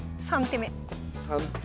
３手目。